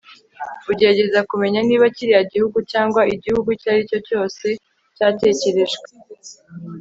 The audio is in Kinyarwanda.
ugerageza kumenya niba kiriya gihugu cyangwa igihugu icyo ari cyo cyose cyatekerejwe